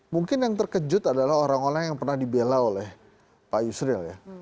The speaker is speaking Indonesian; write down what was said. mungkin yang terkejut adalah orang orang yang pernah dibela oleh pak yusril ya